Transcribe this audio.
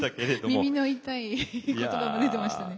耳の痛い言葉も出てましたね。